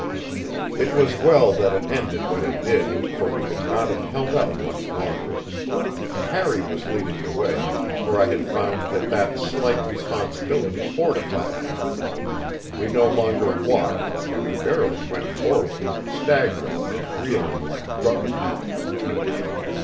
It was well that it ended when it did, for we could not have held out much longer. Harry was leading the way, for I had found that that slight responsibility fortified him. We no longer walked, we barely went forward, staggering and reeling like drunken men.